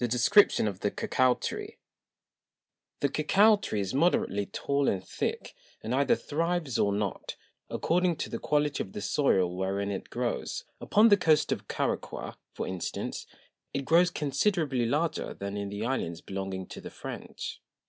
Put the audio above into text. The Description of the Cocao Tree. The Cocao Tree is moderately tall and thick, and either thrives, or not, according to the Quality of the Soil wherein it grows: Upon the Coast of Caraqua, for instance, it grows considerably larger than in the Islands belonging to the French.